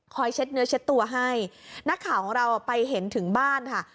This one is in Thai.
เช็ดเนื้อเช็ดตัวให้นักข่าวของเราไปเห็นถึงบ้านค่ะ